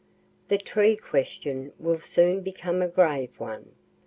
The tree question will soon become a grave one.